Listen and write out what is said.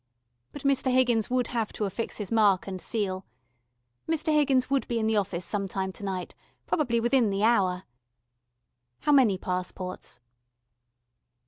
But Mr. Higgins would have to affix his mark and seal. Mr. Higgins would be in the office sometime to night, probably within the hour. How many passports?